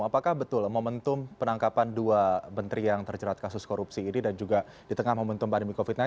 apakah betul momentum penangkapan dua menteri yang terjerat kasus korupsi ini dan juga di tengah momentum pandemi covid sembilan belas